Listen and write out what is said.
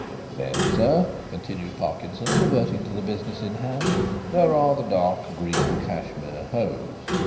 Then, sir," continued Parkinson, reverting to the business in hand, "there are dark green cashmere hose.